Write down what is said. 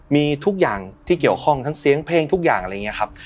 มีทุกอย่างที่เกี่ยวข้องทั้งเสียงเพลงทุกอย่างอะไรอย่างนี้ครับ